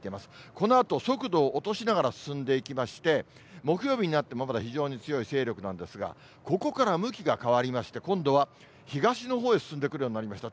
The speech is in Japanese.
このあと速度を落としながら進んでいきまして、木曜日になってもまだ非常に強い勢力なんですが、ここから向きが変わりまして、今度は東のほうへ進んでくるようになりました。